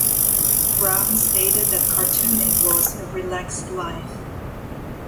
Brown stated that cartooning was "a relaxed life".